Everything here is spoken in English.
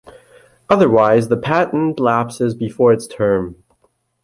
Otherwise the patent lapses before its term.